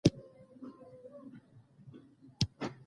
افغانستان د انار په برخه کې نړیوال شهرت لري.